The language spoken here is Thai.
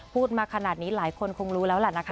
พูดมาขนาดนี้หลายคนคงรู้แล้วล่ะนะคะ